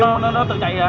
cái xe nó tự chạy à